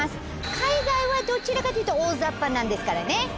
海外はどちらかっていうと大ざっぱなんですからね。